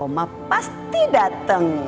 oma pasti dateng